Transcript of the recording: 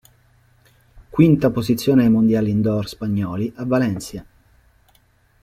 Quinta posizione ai Mondiali indoor spagnoli a Valencia.